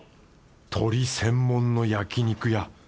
鶏専門の焼肉屋。